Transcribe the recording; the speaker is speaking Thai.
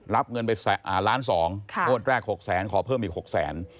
รับเงินไปล้านสองงวดแรก๖แสนขอเพิ่มอีก๖แสน